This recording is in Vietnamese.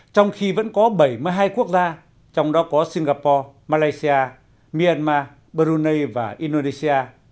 trong khi vẫn có bảy mươi hai quốc gia trong đó có singapore malaysia myanmar brunei và indonesia